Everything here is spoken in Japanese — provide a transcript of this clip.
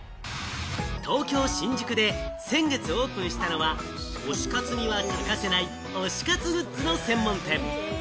東京・新宿で先月オープンしたのは、推し活には欠かせない推し活グッズの専門店。